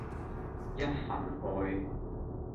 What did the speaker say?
一份愛